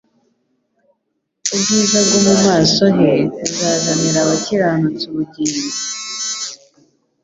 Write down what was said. Ubwiza bwo mu maso he buzazanira abakiranutsi ubugingo,